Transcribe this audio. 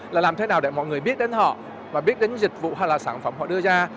là làm thế nào để mọi người biết đến họ và biết đến những dịch vụ hay là sản phẩm họ đưa ra